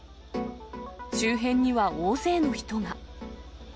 周辺には大勢の人が。